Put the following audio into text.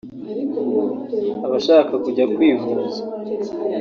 abashaka kujya kwivuza